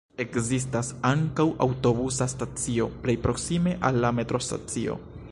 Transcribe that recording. Ekzistas ankaŭ aŭtobusa stacio plej proksime al la metrostacio.